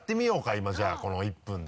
今じゃあこの１分で。